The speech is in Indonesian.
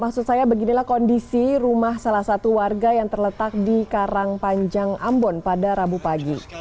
maksud saya beginilah kondisi rumah salah satu warga yang terletak di karang panjang ambon pada rabu pagi